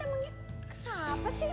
emangnya kenapa sih